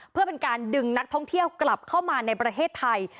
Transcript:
เพื่อเป็นการดึงนักท่องเที่ยวกลับเข้ามาในประเทศไทย